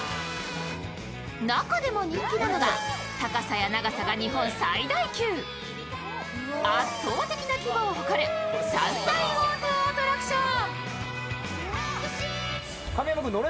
中でも人気なのが高さや長さが日本最大級、圧倒的な規模を誇る３大ウォーターアトラクション。